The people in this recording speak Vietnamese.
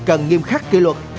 cần nghiêm khắc kỷ luật